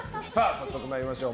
早速、参りましょう。